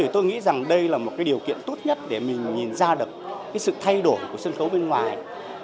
tôi nghĩ rằng đây là một điều kiện tốt nhất để mình nhìn ra được sự thay đổi của sân khấu bên ngoài